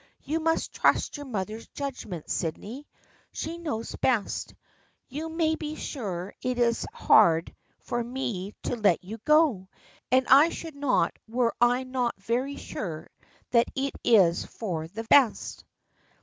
You must trust your mother's judgment, Sydney. She knows best. You may be sure that it is hard for me to let you go, and I should not were I not very sure that it is for the best."